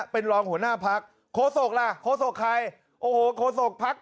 เป็นรองหัวหน้าพักโคศกล่ะโฆษกใครโอ้โหโคศกพัก